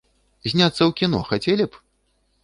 Зняцца ў кіно хацелі б???